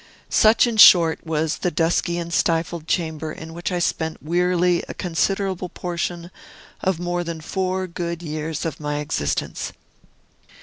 Such, in short, was the dusky and stifled chamber in which I spent wearily a considerable portion of more than four good years of my existence.